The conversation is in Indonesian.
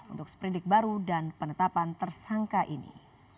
untuk seperindik baru dan penetapan tersangka ini